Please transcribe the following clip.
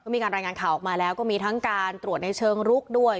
มีการรายงานข่าวออกมาแล้วก็มีทั้งการตรวจในเชิงรุกด้วย